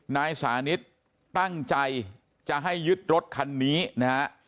นายสานิทตั้งใจจะให้ยึดรถคันนี้นะฮะ